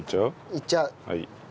いっちゃう。